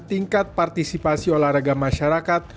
tingkat partisipasi masyarakat dalam berolahraga